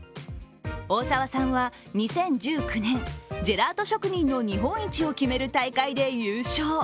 大澤さんは２０１９年、ジェラート職人の日本一を決める大会で優勝。